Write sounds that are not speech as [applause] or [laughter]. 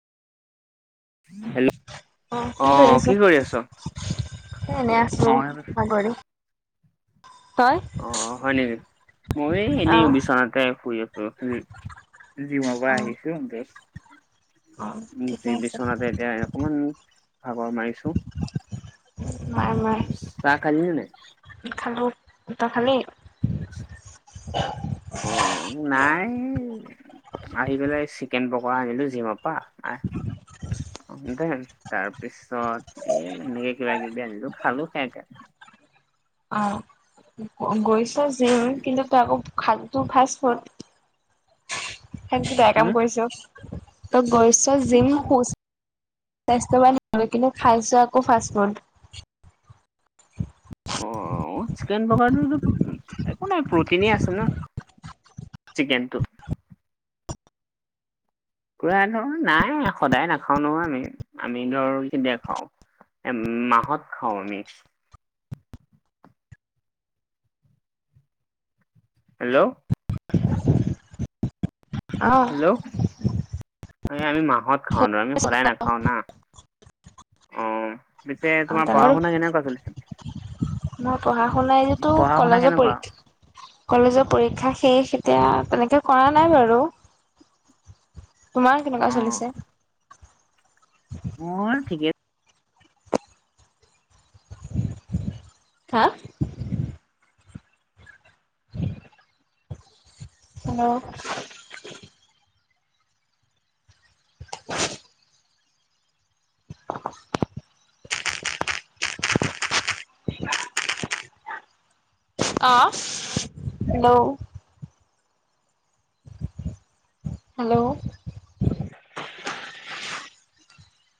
Hello অ কি কৰি আছ। সেই এনেই আছো বাগৰি। তই অ হয় নেকি মই অ এনেই বিচনাতে শুই আছো। জিমপা অ আহিছো [unintelligible] অ উ ঠিকে যি আছে বিচনাতে এতিয়া অকমান ভাগৰ মাৰিছো। মাৰ মাৰ। চাহ খালি নে নাই। খালো তই খালি। অ নাই, আহি পেলাই চিকেন পকৰা আনিলো জিমৰ পৰা আহ অ দে তাৰ পিছত এ এনেকে কিবা কিবি আনিলো খালো সেনেকে। অ গৈছ জিম উম। কিন্তু তই আক খাঙটো খাইছ ফাছ ফুড। সেতো বেয়া কাম হুম? কৰিছো। ত গৈছ জিম স্বাস্থ্যবান হ কিন্তু খাইছো আকৌ ফাষ্ট ফুড। অ চিকেন পকাৰতো একো নাই প্ৰটিনে আছে ন। চিকেনটো পুৰা ধৰ নাই সদায় নাখাও নহয় আমি আমি ধৰ দেখাও এ মাহত খাওঁ আমি। হেল্ল' [unintelligible] অ হেল্ল', এই আমি মাহত খাওঁ আমি শদায় নাখাও না। অ পিছে অ তোমাৰ তেনে পঢ়া শুনা কেনেকুৱা চলিছে। মই পঢ়া শুনাই তো পঢ়া শুনা কলেজত কেনেকুৱা পঢ়ি, কলেজৰ পৰীক্ষা শেষ এতিয়া তেনেকে কৰা নাই বাৰু তোমাৰ অ কেনেকুৱা চলিছে? মই ঠিকে হা। হেল্ল' অ হেল্ল' হেল্ল'